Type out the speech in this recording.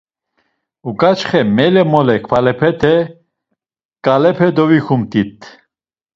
Uǩaçxe mele mole kvalepete, kalepe dovikumt̆it.